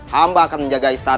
hamba akan menjaga istana